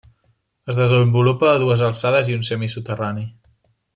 Es desenvolupa a dues alçades i un semisoterrani.